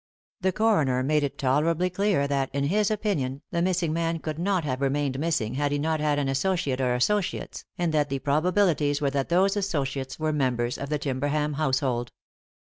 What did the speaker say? The coroner made it tolerably clear that, in his opinion, the missing man could not have remained missing had he not had an associate or associates, and that the probabilities were that those associates were members of the Timberham household.